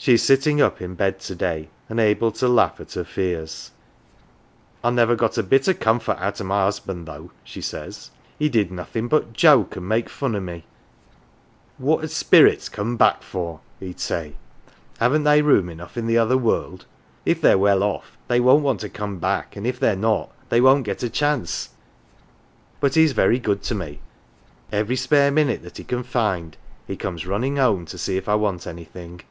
She is sitting up in bed to day, and able to laugh at her fears. " I never got a bit of comfort out of my husband, though," she says; "he did nothing but joke an' make 217 HERE AND THERE fun o' me. ' What 'ud spirits come back for ?' he'd say ;' haven't they room enough in the other world ? If they're well off, they won't want to come back ; an" if they're not, they won't get a chance.' But he's very good to me. Every spare minute that he can find he comes runnin' home to see if I want anything."